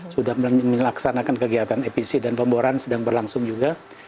sudah melaksanakan kegiatan epc dan pemboran sedang berlangsung juga